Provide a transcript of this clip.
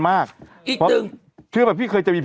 ไม่ใช่อ่านทุกวันเนอะเนี่ย